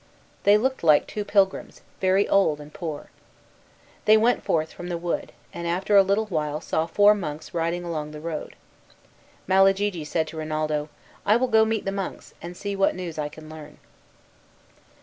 They looked like two pilgrims, very old and poor. Then they went forth from the wood, and after a little while saw four monks riding along the road. Malagigi said to Rinaldo, "I will go meet the monks, and see what news I can learn."